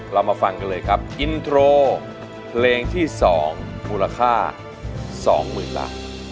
เรามาฟังกันเลยครับอินโทรเพลงที่๒มูลค่า๒๐๐๐บาท